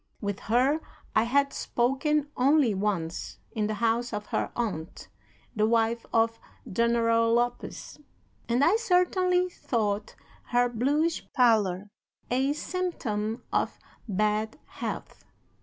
With her I had spoken only once, in the house of her aunt, the wife of General Lopez, and I certainly thought her bluish pallor a symptom of bad health.